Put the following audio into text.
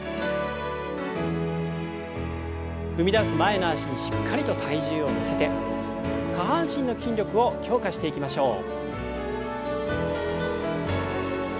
踏み出す前の脚にしっかりと体重を乗せて下半身の筋力を強化していきましょう。